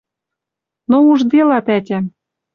Но ужделат ӓтям.